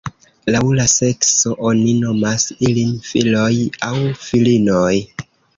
Laŭ la sekso oni nomas ilin filoj aŭ filinoj.